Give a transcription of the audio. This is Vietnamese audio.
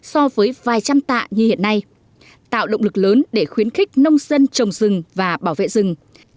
so với vài trăm tạ như hiện nay tạo động lực lớn để khuyến khích nông dân trồng rừng và bảo vệ rừng